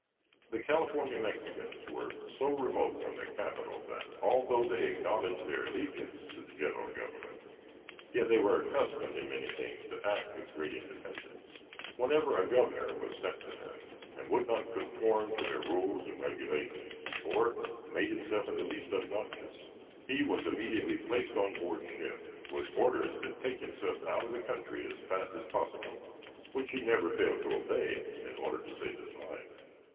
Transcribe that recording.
The California Mexicans were so remote from their capital, that, although they acknowledged their allegiance to the general government, yet they were accustomed, in many things, to act with great independence. Whenever a governor was sent to them who would not conform to their rules and regulations, or made himself in the least obnoxious, he was immediately placed on board ship, with orders to take himself out of the country as fast as possible, which he never failed to obey, in order to save his life.